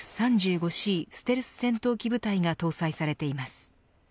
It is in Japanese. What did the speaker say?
ステルス戦闘機部隊が搭載されています。